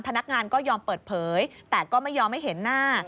พนักงานก็ยอมเปิดเผยแต่ก็ไม่ยอมให้เห็นหน้า